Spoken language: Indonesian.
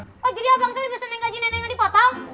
oh jadi abang tadi bisa gaji nenek yang dipotong